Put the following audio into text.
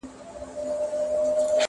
ټول لښکر مي ستا په واک کي درکومه-